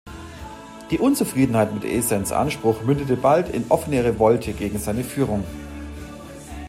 Die Unzufriedenheit mit Esens Anspruch mündete bald in offene Revolte gegen seine Führung.